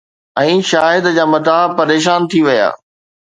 ۽ شاهد جا مداح پريشان ٿي ويا.